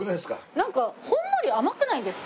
なんかほんのり甘くないですか？